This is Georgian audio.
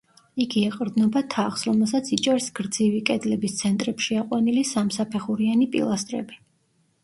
იგი ეყრდნობა თაღს, რომელსაც იჭერს გრძივი კედლების ცენტრებში აყვანილი სამსაფეხურიანი პილასტრები.